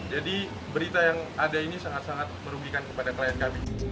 jadi berita yang ada ini sangat sangat merugikan kepada klien kami